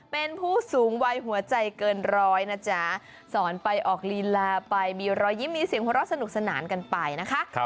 เป็นผู้สูงวัยหัวใจเกินร้อยนะจ๊ะสอนไปออกลีลาไปมีรอยยิ้มมีเสียงหัวเราะสนุกสนานกันไปนะคะ